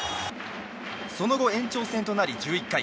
その後、延長戦となり１１回。